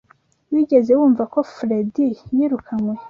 Wigeze wumva ko Fred yirukanwe?